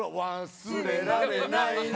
「忘れられないの」